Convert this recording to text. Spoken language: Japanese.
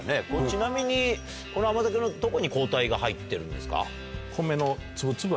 ちなみにこの甘酒のどこに抗体が入ってるんですか？